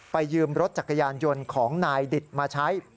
ยืมรถจักรยานยนต์ของนายดิตมาใช้